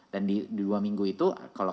dan di dua minggu itu kalau